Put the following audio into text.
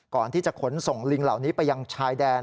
ก่อนที่จะขนส่งลิงเหล่านี้ไปยังชายแดน